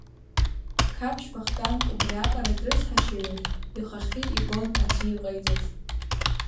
Қаԥшь Вахтанг убриаҟара дрыцҳашьаҩын, ихахьы игон аӡәы иҟеиҵаз.